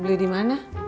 beli di mana